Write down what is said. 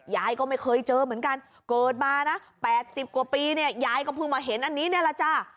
ยายก็ไม่เคยเจอเหมือนกันเกิดมานะ๘๐กว่าปียายก็พึงมาเห็นอันนี้เลยล่ะจ้ะ